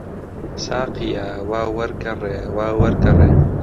ساقییا، وا وەرگەڕێ، وا وەرگەڕێ!